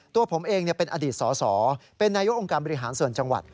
ตัวผมเองเป็นอดีตสอสอเป็นนายกองค์การบริหารส่วนจังหวัด